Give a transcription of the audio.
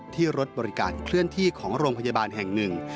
ที่รถบริการเคลื่อนที่ของโรงพยาบาลแห่งหนึ่ง